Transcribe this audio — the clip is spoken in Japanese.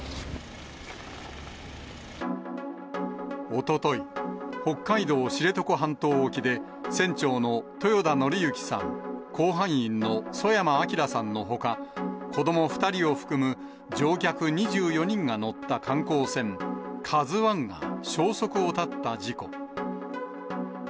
おととい、北海道知床半島沖で、船長の豊田徳幸さん、甲板員の曽山聖さんのほか、子ども２人を含む乗客２４人が乗った観光船カズワンが消息を絶った事故。